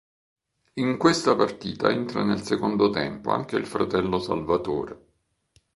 In questa partita entra nel secondo tempo anche il fratello Salvatore.